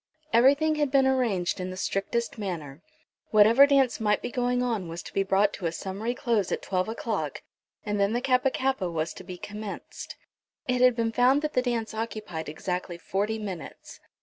Everything had been arranged in the strictest manner. Whatever dance might be going on was to be brought to a summary close at twelve o'clock, and then the Kappa kappa was to be commenced. It had been found that the dance occupied exactly forty minutes.